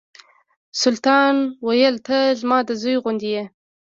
سلطان ویل ته زما د زوی غوندې یې.